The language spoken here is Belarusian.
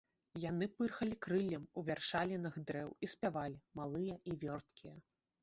Яны пырхалі крыллем у вяршалінах дрэў і спявалі, малыя і вёрткія.